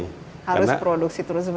harus produksi terus menerus